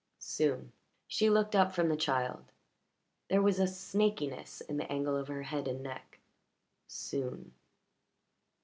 "Soon." She looked up from the child; there was a snakiness in the angle of her head and neck. "Soon."